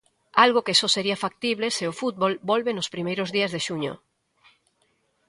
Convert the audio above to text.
Algo que só sería factible se o fútbol volve nos primeiros días de xuño.